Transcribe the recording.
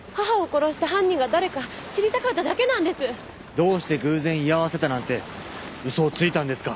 どうして偶然居合わせたなんて嘘をついたんですか？